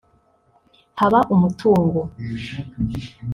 Haba umutungo